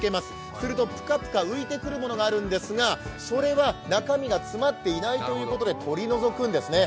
すると、ぷかぷか浮いてくるものがあるんですが、それは中身が詰まっていないということで取り除くんですね。